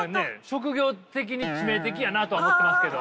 職業的に致命的やなとは思ってますけど。